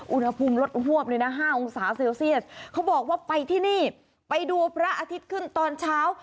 อุณหภูมิลดหวบเลยนะ๕องศาเซลเซียสเขาบอกว่าไปที่นี่ไปดูพระอาทิตย์ขึ้นตอนเช้า